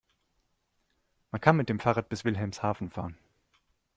Man kann mit dem Fahrrad bis Wilhelmshaven fahren